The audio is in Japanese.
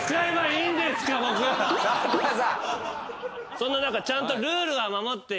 そんな中ちゃんと。